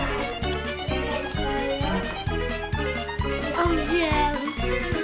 おいしい！